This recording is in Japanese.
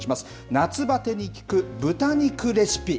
夏バテに効く豚肉レシピ。